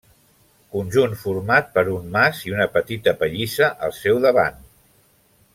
Conjunt format per un mas i una petita pallissa al seu davant.